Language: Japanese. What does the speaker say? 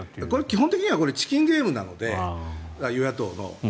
基本的にはチキンゲームなので与野党の。